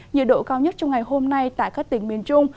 nhiệt độ cao nhất trong ngày hôm nay tại các tỉnh miền trung